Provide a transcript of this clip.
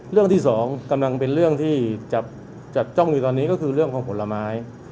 เรื่องที่สองกำลังเป็นเรื่องที่จับจ้องอยู่ตอนนี้ก็คือเรื่องของผลไม้